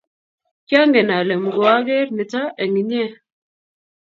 kiangen ale muku ang'er nito eng' inye